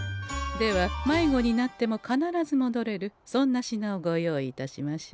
では迷子になっても必ずもどれるそんな品をご用意いたしましょう。